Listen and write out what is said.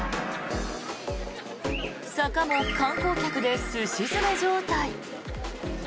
坂も観光客ですし詰め状態。